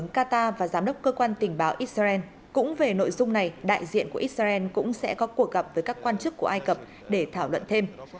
cũng về nội dung này đại diện của israel cũng sẽ có cuộc gặp với các quan chức của ai cập để thảo luận thêm